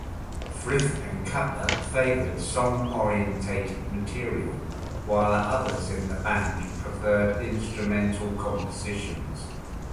Frith and Cutler favoured song-oriented material, while others in the band preferred instrumental compositions.